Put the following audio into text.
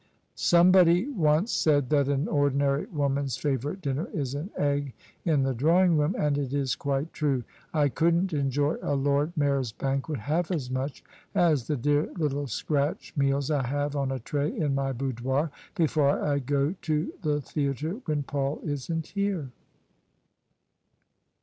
Somebody once said that an ordinary woman's favourite dinner is an egg in the drawing room: and it is quite true. I couldn't enjoy a Lord Mayor's banquet half as much as the dear little scratch meals I have on a tray in my boudoir before I go to the theatre when Paul isn't here."